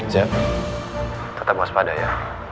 zed tetap waspada ya